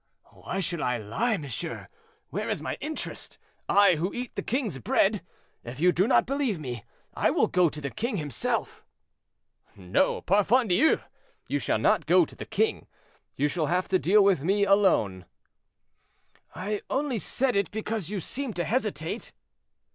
"Why should I lie, monsieur; where is my interest—I, who eat the king's bread? If you do not believe me, I will go to the king himself." "No, parfandious, you shall not go to the king: you shall have to deal with me, alone." "I only said it because you seemed to hesitate."